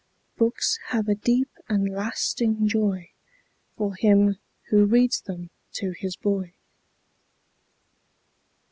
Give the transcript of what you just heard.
Books have a deep and lasting joy For him who reads them to his boy.